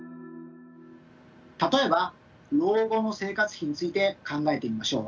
例えば老後の生活費について考えてみましょう。